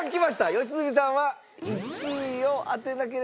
良純さんは１位を当てなければセーフ。